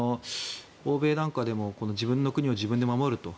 欧米なんかでも自分の国を自分で守ると。